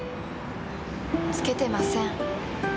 つけてません。